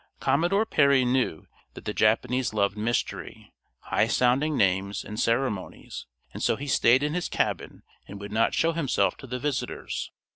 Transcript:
Commodore Perry knew that the Japanese loved mystery, high sounding names, and ceremonies, and so he stayed in his cabin and would not show himself to the visitors.